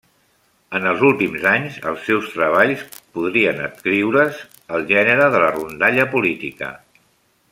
En els últims anys, els seus treballs podrien adscriure's al gènere de la rondalla política.